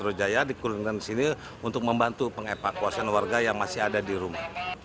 metro jaya dikurungkan disini untuk membantu pengevakuasi warga yang masih ada di rumah